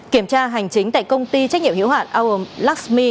kiểm tra hành chính tại công ty trách nhiệm hiệu hạn aom luxmi